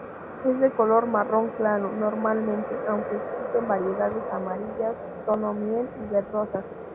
Es de color marrón claro normalmente, aunque existen variedades amarillas, tono miel y verdosas.